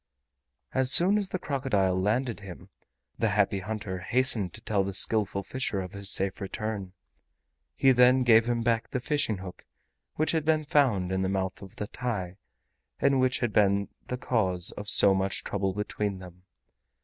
As soon as the crocodile landed him, the Happy Hunter hastened to tell the Skillful Fisher of his safe return. He then gave him back the fishing hook which had been found in the mouth of the TAI and which had been the cause of so much trouble between them.